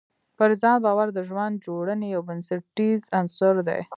پر ځان باور د ژوند جوړونې یو بنسټیز عنصر دی.